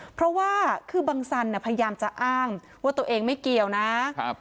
เพราะว่าคือบังสันพยายามจะอ้างว่าตัวเองไม่เกี่ยวนะครับ